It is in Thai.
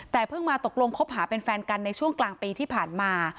แต่เพิ่งมาตกลงคบหาเป็นแฟนกันในช่วงกลางปีที่ผ่านมา